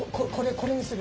これにする。